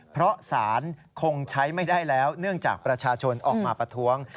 เพราะสารคงใช้ไม่ได้แล้วเนื่องจากประชาชนออกมาประท้วง